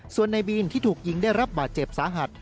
ส่วนในบีนที่ถูกยิงได้รับบาดเจ็บสาหัส